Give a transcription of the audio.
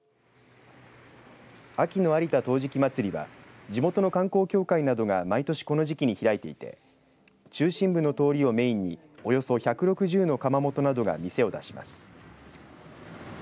秋の有田陶磁器まつりは地元の観光協会などが毎年この時期に開いていて中心部の通りをメインにおよそ１６０の窯元などが店を出します。